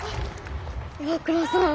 岩倉さん